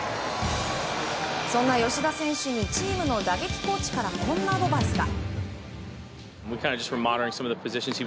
そんな吉田選手にチームの打撃コーチからこんなアドバイスが。